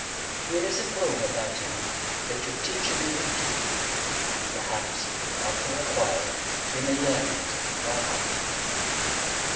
Here is a poem about him that your teacher may read to you, and perhaps, after a while, you may learn it by heart.